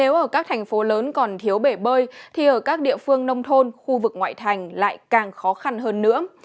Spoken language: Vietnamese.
nếu ở các thành phố lớn còn thiếu bể bơi thì ở các địa phương nông thôn khu vực ngoại thành lại càng khó khăn hơn nữa